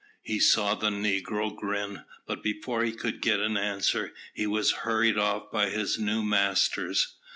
He saw the negro grin, but before he could get an answer, he was hurried off by his new masters.